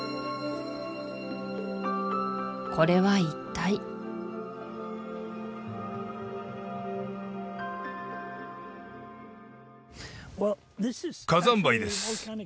これは一体火山灰です